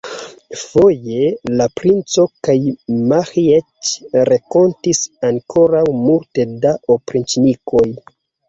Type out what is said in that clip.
Voje la princo kaj Miĥeiĉ renkontis ankoraŭ multe da opriĉnikoj.